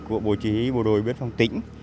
của bộ chí bộ đội biên phòng tỉnh